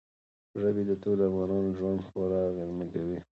ژبې د ټولو افغانانو ژوند خورا اغېزمن کوي.